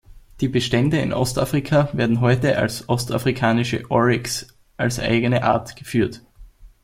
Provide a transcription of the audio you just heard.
Die Bestände in Ostafrika werden heute als Ostafrikanische Oryx als eigene Art geführt.